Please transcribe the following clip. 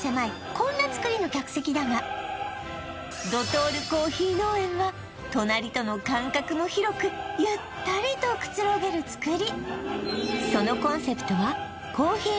こんな造りの客席だがドトール珈琲農園は隣との間隔も広くゆったりとくつろげる造り